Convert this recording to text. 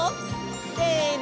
せの！